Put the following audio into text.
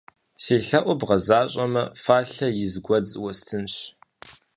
Си лъэӀур бгъэзащӀэмэ фалъэ из гуэдз уэстынщ!